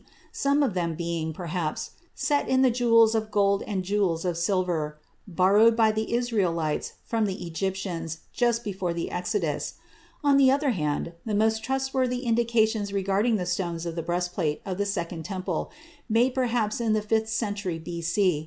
some of them being, perhaps, set in the "jewels of gold and jewels of silver" borrowed by the Israelites from the Egyptians just before the Exodus; on the other hand, the most trustworthy indications regarding the stones of the breastplate of the Second Temple, made perhaps in the fifth century B.C.